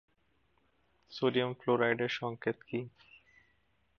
Sodium ফ্লোরাইডের সংকেত কী?